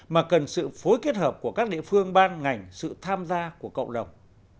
mà cần sự phối kết hợp của các địa phương ban ngành sự tham gia của cộng đồng